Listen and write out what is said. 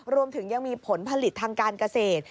รวมถึงยังมีผลผลิตทางการเกษตร